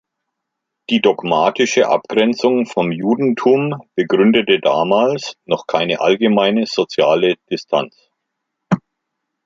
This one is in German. Die dogmatische Abgrenzung vom Judentum begründete damals noch keine allgemeine soziale Distanz.